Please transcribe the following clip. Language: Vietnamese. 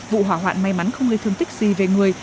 vụ hỏa hoạn may mắn không gây thương tích gì về người